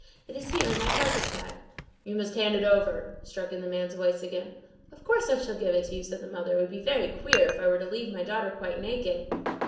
It is here, in my carpet bag." "You must hand it over," struck in the man's voice again. "Of course I shall give it to you," said the mother. "It would be very queer if I were to leave my daughter quite naked!"